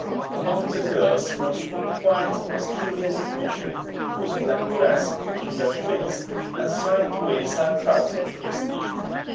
Among the girls was one quiet, skilful creature, whose black dress, peculiar face, and silent ways attracted Christie.